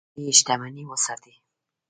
ملي شتمني وساتئ